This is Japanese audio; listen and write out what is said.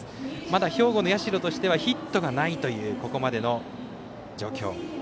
まだ兵庫の社としてはヒットがないというここまでの状況。